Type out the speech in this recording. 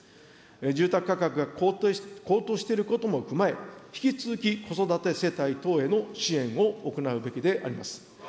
住宅価格が高騰していることも踏まえ、引き続き子育て世帯等への支援を行うべきであります。